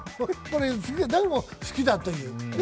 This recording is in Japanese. でも好きだという。